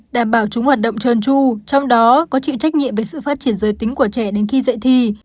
đảm bảo chúng hoạt động trơn tru trong đó có chịu trách nhiệm với sự phát triển giới tính của trẻ đến khi dạy thi